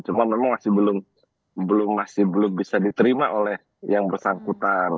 cuma memang masih belum bisa diterima oleh yang bersangkutan